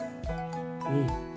うん。